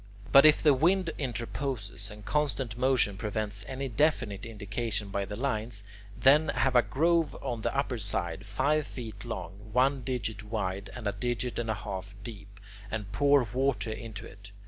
But if the wind interposes, and constant motion prevents any definite indication by the lines, then have a groove on the upper side, five feet long, one digit wide, and a digit and a half deep, and pour water into it.